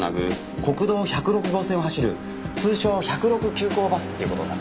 国道１０６号線を走る通称１０６急行バスっていう事になる。